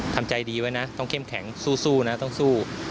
ทำใจดีไว้นะต้องเข้มแข็งสู้นะต้องสู้